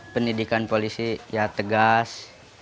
pendidikan polisi ya tegas